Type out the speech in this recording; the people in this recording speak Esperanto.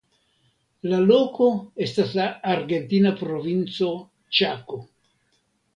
La loko estas la argentina provinco Ĉako.